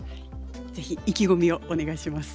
是非意気込みをお願いします。